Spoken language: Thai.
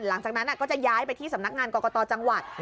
หลังจากนั้นก็จะย้ายไปที่สำนักงานกรกตจังหวัด